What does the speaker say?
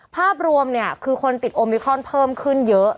ภาพรวมเนี่ยคือคนติดโอมิครอนเพิ่มขึ้นเยอะ